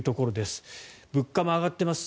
物価も上がっています。